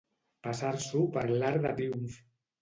Passar-s'ho per l'arc de triomf.